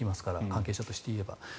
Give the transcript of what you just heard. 関係者として言えば。